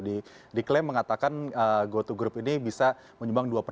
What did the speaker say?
diklaim mengatakan goto group ini bisa menyumbang